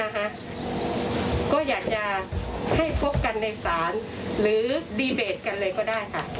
ก็อยากจะให้พบกันในศาลหรือดีเบตกันเลยก็ได้ค่ะ